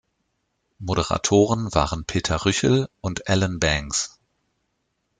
Moderatoren waren Peter Rüchel und Alan Bangs.